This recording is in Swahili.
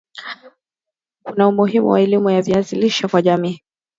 kuna umuhimu wa elimu ya viazi lishe kwa jamii